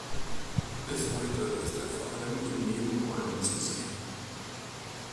Bis heute ist er vor allem in Nebenrollen zu sehen.